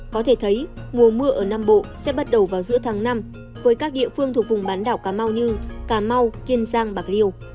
có thể thấy mùa mưa ở nam bộ sẽ bắt đầu vào giữa tháng năm với các địa phương thuộc vùng bán đảo cà mau như cà mau kiên giang bạc liêu